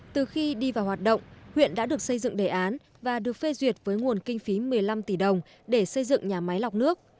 từ khi đi vào hoạt động huyện đã được xây dựng đề án và được phê duyệt với nguồn kinh phí một mươi năm tỷ đồng để xây dựng nhà máy lọc nước